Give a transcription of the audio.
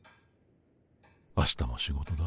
明日も仕事だ。